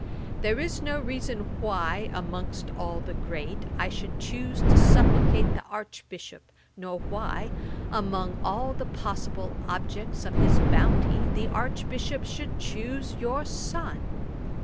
There is no reason why, amongst all the great, I should chuse to supplicate the Archbishop, nor why, among all the possible objects of his bounty, the Archbishop should chuse your son.